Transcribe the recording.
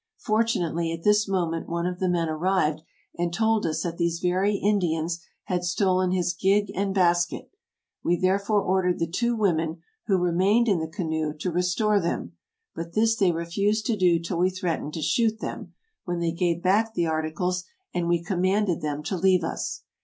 Fortu nately, at this moment one of the men arrived, and told us that these very Indians had stolen his gig and basket; we therefore ordered the two women, who remained in the canoe, to restore them; but this they refused to do till we threatened to shoot them, when they gave back the articles, and we commanded them to leave us.